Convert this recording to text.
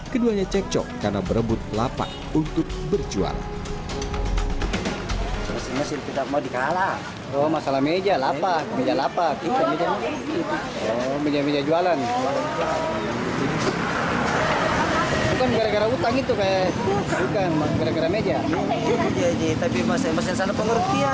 keduanya cekcok karena berebut lapak untuk berjualan